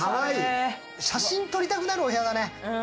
写真撮りたくなるお部屋だね。